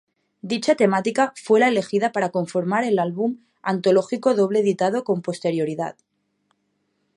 Dicha temática fue la elegida para conformar el álbum antológico doble editado con posterioridad.